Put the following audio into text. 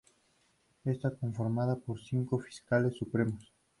Esta conformada por cinco fiscales supremos.